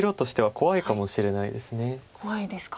怖いですか。